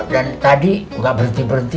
dan tadi gak berhenti berhenti